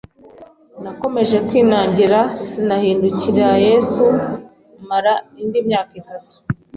Nakomeje kwinangira, sinahindukirira Yesu mara indi myaka itatu.